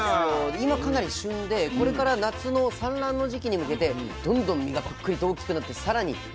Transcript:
今かなり旬でこれから夏の産卵の時期に向けてどんどん身がぷっくりと大きくなって更にうまみも増してくるというような。